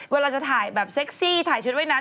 เวลาจะถ่ายแบบเซ็กซี่ถ่ายชุดว่ายน้ำ